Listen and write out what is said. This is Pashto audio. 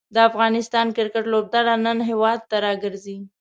د افغانستان کریکټ لوبډله نن هیواد ته راګرځي.